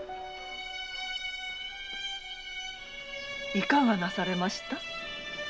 いかがなされました？